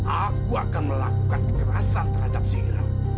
aku akan melakukan kerasan terhadap si hiram